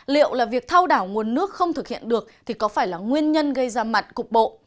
liệu là việc thao đảo nguồn nước không thực hiện được thì có phải là nguyên nhân gây ra mặt cục bộ